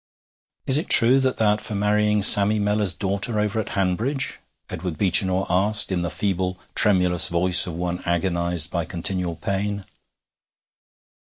'Is it true as thou'rt for marrying Sammy Mellor's daughter over at Hanbridge?' Edward Beechinor asked, in the feeble, tremulous voice of one agonized by continual pain.